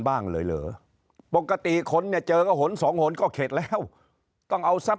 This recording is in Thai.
บ้างเลยเหลือปกติคนเจอก็หนวง๒หลก็เข็ดแล้วก็เอาครับ